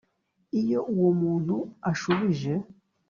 Iyo uwo muntu ashubije